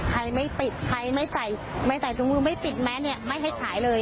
ใครไม่ปิดใครไม่ใส่ถุงมือไม่ปิดแมทไม่ให้ขายเลย